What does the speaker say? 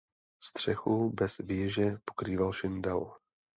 Střechu bez věže pokrýval šindel.